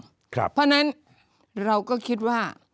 เพราะฉะนั้นเราก็คิดว่า